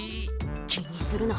気にするな